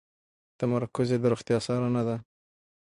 تمرکز یې د روغتیا څارنه ده.